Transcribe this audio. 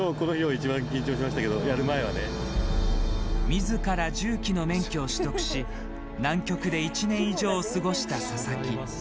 自ら重機の免許を取得し南極で１年以上を過ごした佐々木。